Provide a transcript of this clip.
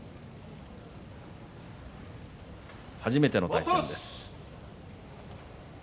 初めての対戦です。